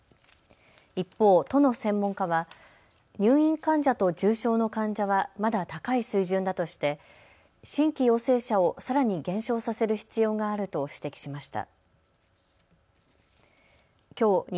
一方、都の専門家は入院患者と重症の患者はまだ高い水準だとして新規陽性者をさらに減少させる必要があると指摘しました。